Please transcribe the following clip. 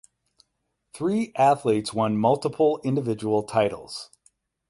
Three athletes won multiple individual titles.